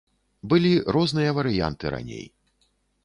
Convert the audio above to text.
Былі розныя варыянты раней.